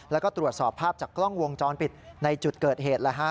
แล้วก็ตรวจสอบภาพจากกล้องวงจรปิดในจุดเกิดเหตุ